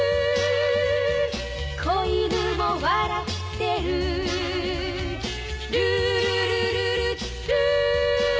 「小犬も笑ってる」「ルールルルルルー」